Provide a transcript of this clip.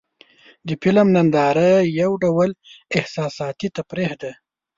د فلم ننداره یو ډول احساساتي تفریح ده.